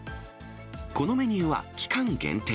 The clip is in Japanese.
このメニューは期間限定。